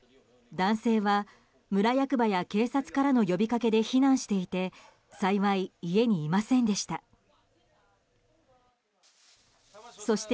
男性は村役場や警察の呼びかけで避難していて幸い、家にいませんでした。